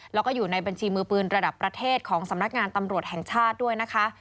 แล้วก็อยู่ในบัญชีมือปืนระดับประเทศของสำนักงานตำรวจแห่งชาติด้วยนะคะ